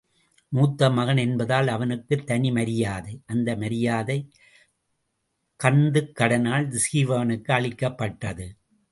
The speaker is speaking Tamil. மூத்த மகன் என்பதால் அவனுக்குத் தனி மரியாதை, அந்த மரியாதை கந்துக் கடனால் சீவகனுக்கு அளிக்கப் பட்டது.